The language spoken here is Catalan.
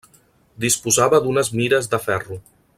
Disposava d'unes mires de ferro.